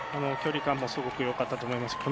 距離感もすごくよかったと思います。